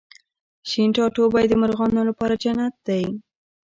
شین ټاټوبی د مرغانو لپاره جنت دی